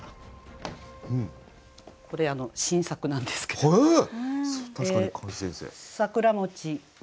これ新作なんですけれど。